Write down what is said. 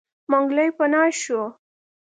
منګلی پناه شو.